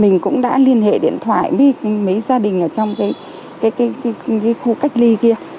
mình cũng đã liên hệ điện thoại với mấy gia đình ở trong cái khu cách ly kia